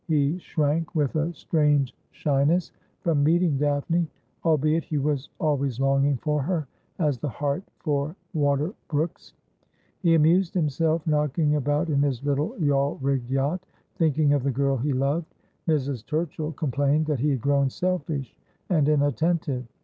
He shrank with a strange shyness from meeting Daphne ; albeit he was always longing for her as the hart for water brooks. He amused himself knocking about in his little yawl rigged yacht, thinking of the girl he loved. Mrs. Turchill complained that he had grown selfish and inattentive.